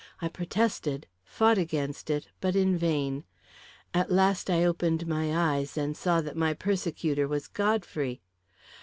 I protested, fought against it, but in vain. At last I opened my eyes, and saw that my persecutor was Godfrey.